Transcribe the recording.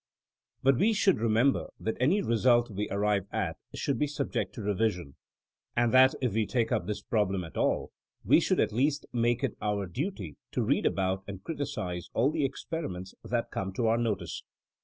But we should re member that any result we arrive at should be subject to revision, and that if we take up this problem at all, we should at least make it our duty to read about and criticise all the experi ments that come to our notice.